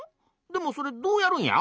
でもそれどうやるんや？